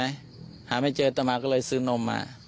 ถ้าหาไม่เจอสู่กินน้ำก็เลยขอซื้อน่อมมา